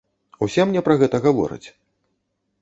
Усе мне пра гэта гавораць.